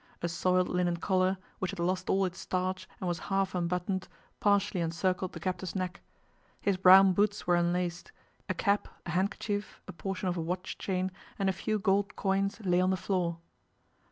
A soiled linen collar, which had lost all its starch and was half unbuttoned, partially encircled the captive's neck; his brown boots were unlaced; a cap, a handkerchief, a portion of a watch chain, and a few gold coins lay on the floor.